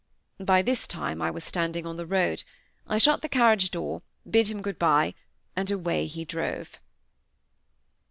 By this time I was standing on the road; I shut the carriage door; bid him good bye; and away he drove.